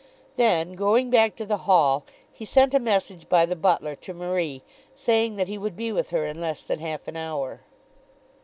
Then going back to the hall, he sent a message by the butler to Marie, saying that he would be with her in less than half an hour.